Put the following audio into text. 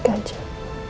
kamu di sini